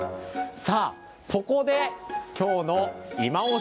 さあ、ここで今日のいまオシ！